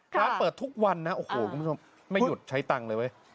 ค้าเปิดทุกวันนะไม่หยุดใช้ตังค์เลยเว้ย